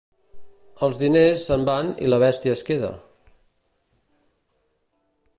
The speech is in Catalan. Els diners se'n van i la bèstia es queda.